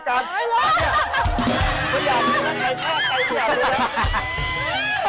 แหละ